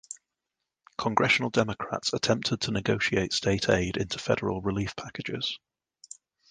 Congressional Democrats attempted to negotiate state aid into federal relief packages.